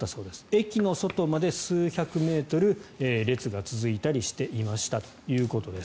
駅の外まで数百メートル列が続いたりしていましたということです。